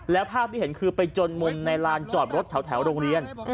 แล้วภาพที่เห็นคือไปจนมุมในลานจอดรถแถวโรงเรียน